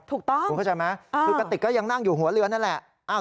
ถูกต้องคุณเข้าใจไหมคือกระติกก็ยังนั่งอยู่หัวเรือนั่นแหละ